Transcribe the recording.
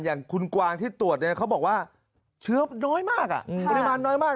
อย่างคุณกวางที่ตรวจเขาบอกว่าเชื้อน้อยมากปริมาณน้อยมาก